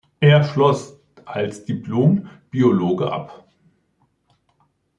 Er schloss als Diplom-Biologe ab.